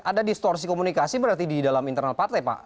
ada distorsi komunikasi berarti di dalam internal partai pak